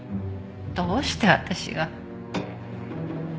どうして私が？